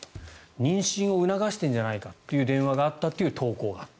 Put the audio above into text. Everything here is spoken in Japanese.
妊娠を促してるんじゃないかという電話があったという投稿があった。